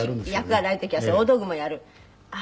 役がない時は大道具もやる。